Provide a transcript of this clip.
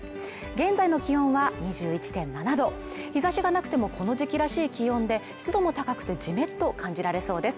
現在の気温は２１．７度、日差しがなくてもこの時期らしい気温で、湿度も高くてじめっと感じられそうです